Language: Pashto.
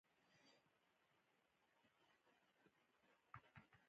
په افغانستان کې آب وهوا د ژوند په کیفیت تاثیر لري.